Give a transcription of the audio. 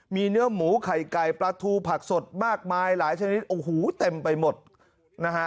มีเนื้อหมูไข่ไก่ปลาทูผักสดมากมายหลายชนิดโอ้โหเต็มไปหมดนะฮะ